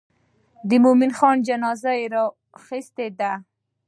د مومن خان جنازه یې راخیستې ده.